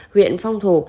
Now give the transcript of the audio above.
huyện phong thổ